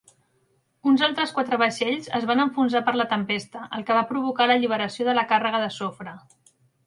Uns altres quatre vaixells es van enfonsar per la tempesta, el que va provocar l'alliberació de la càrrega de sofre.